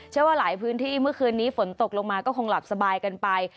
ว่าหลายพื้นที่เมื่อคืนนี้ฝนตกลงมาก็คงหลับสบายกันไป